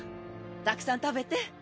たくさん食べて。